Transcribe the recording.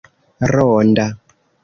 ronda